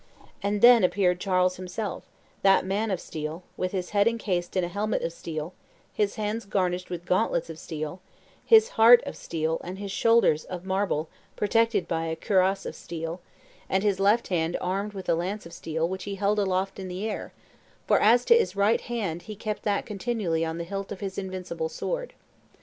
And then appeared Charles himself, that man of steel, with his head encased in a helmet of steel, his hands garnished with gauntlets of steel, his heart of steel and his shoulders of marble protected by a cuirass of steel, and his left hand armed with a lance of steel which he held aloft in the air, for as to his right hand he kept that continually on the hilt of his invincible sword.